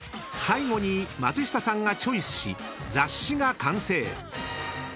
［最後に松下さんがチョイスし雑誌が完成］